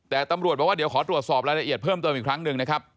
แต่ตำรวจบอกว่าเดี๋ยวขอตรวจสอบรายละเอียดเพิ่มเติมอีกครั้งหนึ่งนะครับ